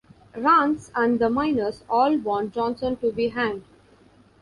Rance and the miners all want Johnson to be hanged.